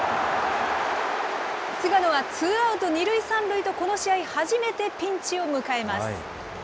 菅野はツーアウト２塁３塁と、この試合初めてピンチを迎えます。